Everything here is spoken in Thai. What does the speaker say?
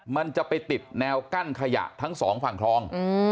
มันจะไปติดแนวกั้นขยะทั้งสองฝั่งคลอง